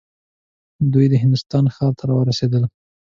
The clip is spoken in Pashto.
دوی د هندوستان ښار ته راورسېدل.